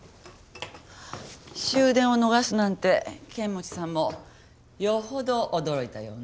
終電を逃すなんて剣持さんもよほど驚いたようね。